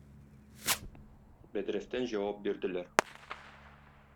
Бәдрәфтән җавап бирделәр.